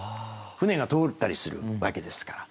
船が通ったりするわけですから。